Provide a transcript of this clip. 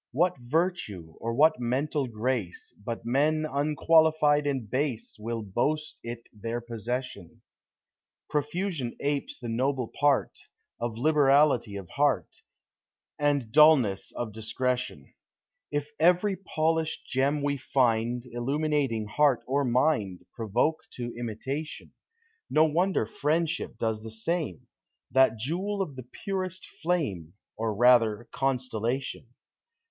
What virtue, or what mental grace, Hut men unqualified and base Will boast it their possession? Profusion apes the noble part Of liberality of heart, And dulness, of discretion. Digitized by Google 31)8 POEMS OF FRIEXDHIIII*. If every polished gem we And Illuminating heart or mind, Provoke to imitation; No wonder friendship does the same, That jewel of the purest Hame, Or rather constellation.